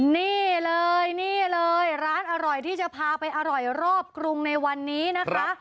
นี่เลยนี่เลยร้านอร่อยที่จะพาไปอร่อยรอบกรุงในวันนี้นะคะ